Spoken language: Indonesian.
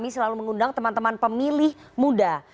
selalu mengundang teman teman pemilih muda